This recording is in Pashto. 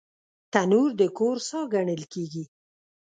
تنور د کور ساه ګڼل کېږي